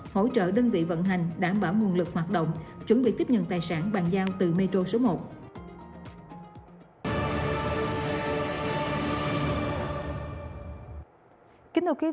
hỗ trợ đơn vị vận hành đảm bảo nguồn lực hoạt động chuẩn bị tiếp nhận tài sản bàn giao từ metro số một